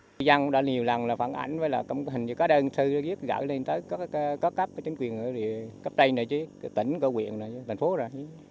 nhân dân đã nhiều lần phản ảnh với hình như có đơn thư gửi lên tới các cấp chính quyền ở cấp đây này chứ tỉnh cơ quyện thành phố ra